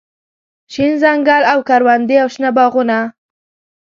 شين ځنګل او کروندې او شنه باغونه